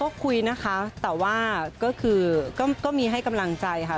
ก็คุยนะคะแต่ว่าก็คือก็มีให้กำลังใจค่ะ